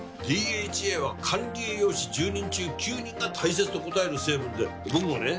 ＤＨＡは管理栄養士１０人中９人が大切と答える成分で僕もね